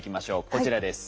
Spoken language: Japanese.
こちらです。